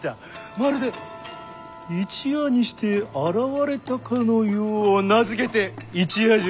まるで一夜にして現れたかのよう名付けて一夜城よ。